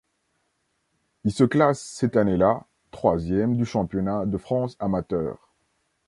Il se classe cette année-là troisième du championnat de France amateur.